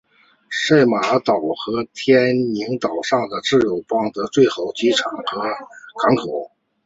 塞班岛和天宁岛上有自治邦内最好的机场和港口。